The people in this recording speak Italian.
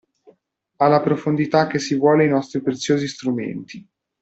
Alla profondità che si vuole i nostri preziosi strumenti.